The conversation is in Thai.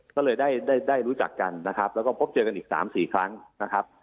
ก็เลยได้ได้รู้จักกันนะครับแล้วก็พบเจอกันอีก๓๔ครั้งนะครับ